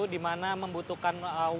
di mana membutuhkan waktu